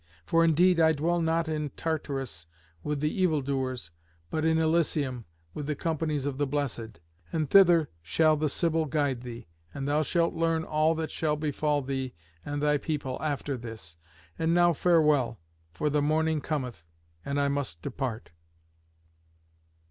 For indeed I dwell not in Tartarus, with the evildoers, but in Elysium, with the companies of the blessed. And thither shall the Sibyl guide thee, and thou shalt learn all that shall befall thee and thy people after this. And now farewell, for the morning cometh, and I must depart."